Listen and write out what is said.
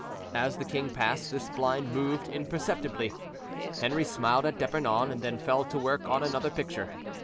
As the king passed, this blind moved perceptibly; Henri smiled at D'Epernon, and then fell to work on another picture.